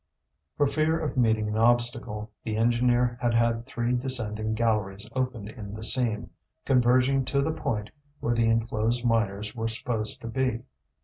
For fear of meeting an obstacle, the engineer had had three descending galleries opened in the seam, converging to the point where the enclosed miners were supposed to be.